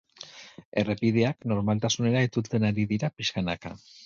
Errepideak normaltasunera itzultzen ari dira pixkanaka.